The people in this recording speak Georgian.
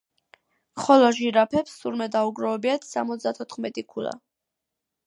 ხოლო ჟირაფებს თურმე დაუგროვებიათ სამოცდათოთხმეტი ქულა.